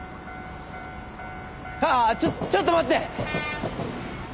ああっちょちょっと待って！